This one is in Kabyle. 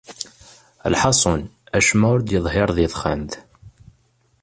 Lḥaṣun, acemma ur d-yeḍhir di texxamt.